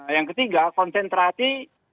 yang ketiga konsentrasi